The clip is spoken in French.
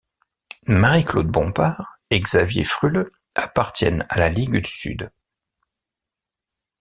Marie-Claude Bompard et Xavier Fruleux appartiennent à la Ligue du Sud.